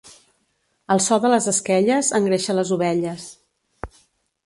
El so de les esquelles engreixa les ovelles.